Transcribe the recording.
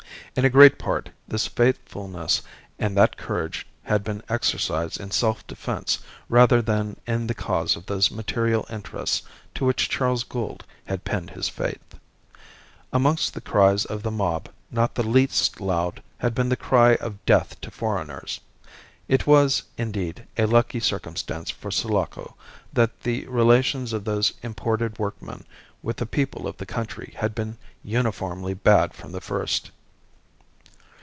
In a great part this faithfulness and that courage had been exercised in self defence rather than in the cause of those material interests to which Charles Gould had pinned his faith. Amongst the cries of the mob not the least loud had been the cry of death to foreigners. It was, indeed, a lucky circumstance for Sulaco that the relations of those imported workmen with the people of the country had been uniformly bad from the first.